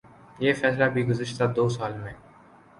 یہ فیصلہ بھی گزشتہ دو سال میں